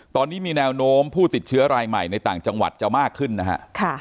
ตอนนี้มีแนวโน้มผู้ติดเชื้อรายใหม่ในต่างจังหวัดจะมากขึ้นนะฮะ